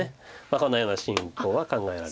こんなような進行は考えられます。